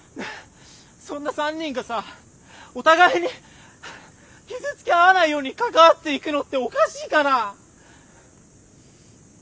そんな３人がさお互いに傷つけ合わないように関わっていくのっておかしいかな。